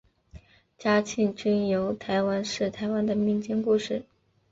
嘉庆君游台湾是台湾的民间故事。